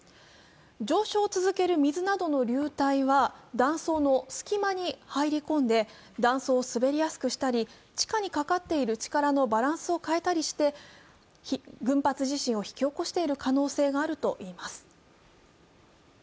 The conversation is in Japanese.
上昇を続ける水などの流体は断層の隙間に入り込んで断層を滑りやすくしたり、地下にかかっているバランスを変えたりして群発地震を引き起こしている可能性があるといえます。